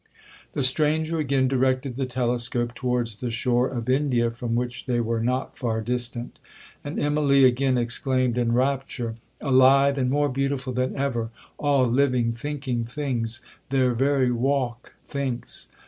'The stranger again directed the telescope towards the shore of India, from which they were not far distant, and Immalee again exclaimed in rapture, 'Alive and more beautiful than ever!—all living, thinking things!—their very walk thinks.